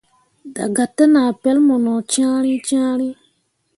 Daga te nah pel mu no cyãhrii cyãhrii.